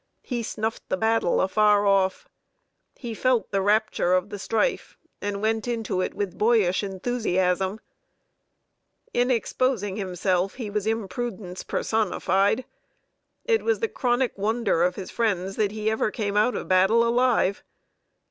He snuffed the battle afar off. He felt "the rapture of the strife," and went into it with boyish enthusiasm. [Sidenote: A Thrilling Scene in Battle.] In exposing himself, he was Imprudence personified. It was the chronic wonder of his friends that he ever came out of battle alive.